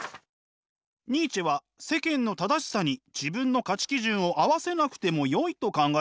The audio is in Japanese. ニーチェは世間の正しさに自分の価値基準を合わせなくてもよいと考えました。